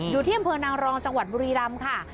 อยู่ที่อำเภอนางรองจังหวัดบุรีรำค่ะ